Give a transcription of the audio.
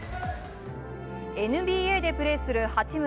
ＮＢＡでプレーする八村。